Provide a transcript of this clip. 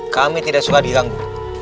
kami tidak suka diranggu